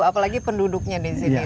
apalagi penduduknya di sini